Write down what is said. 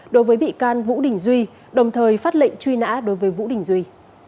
đối với bị can vũ đình duy đồng thời phát lệnh truy nã đối với vũ đình duy